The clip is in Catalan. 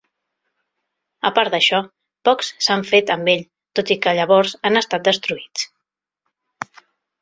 A part d'això, pocs s'han fet amb ell tot i que llavors han estat destruïts.